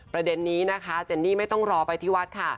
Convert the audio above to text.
ประเด็นนี้นะคะเจนนี่ไม่ต้องรอไปที่วัดค่ะ